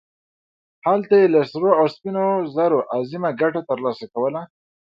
هلته یې له سرو او سپینو زرو عظیمه ګټه ترلاسه کوله.